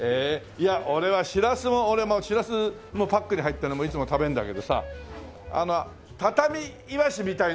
いや俺はしらすもしらすもパックに入ってるのいつも食べるんだけどさたたみいわしみたいなのはないの？